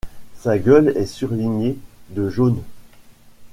Sa gueule est surlignée de jaune.